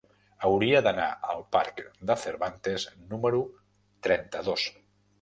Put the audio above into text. Hauria d'anar al parc de Cervantes número trenta-dos.